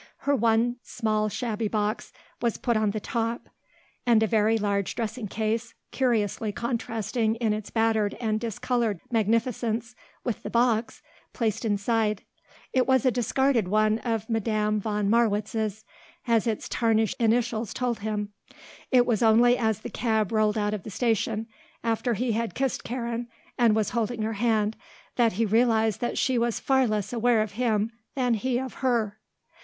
Her one small shabby box was put on the top and a very large dressing case, curiously contrasting in its battered and discoloured magnificence with the box, placed inside; it was a discarded one of Madame von Marwitz's, as its tarnished initials told him. It was only as the cab rolled out of the station, after he had kissed Karen and was holding her hand, that he realized that she was far less aware of him than he of her.